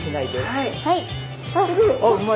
はい。